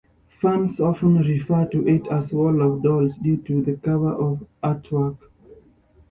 Fans often refer to it as "Wall of Dolls" due to the cover artwork.